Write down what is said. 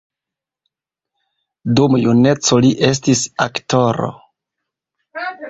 Dum juneco li estis aktoro.